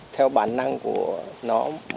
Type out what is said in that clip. theo bản năng của nó